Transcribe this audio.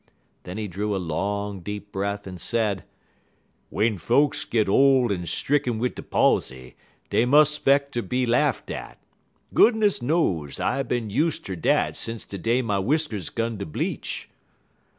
Then he drew a long, deep breath, and said: "'Wen folks git ole en stricken wid de palsy, dey mus' 'speck ter be laff'd at. Goodness knows, I bin use ter dat sence de day my whiskers 'gun to bleach."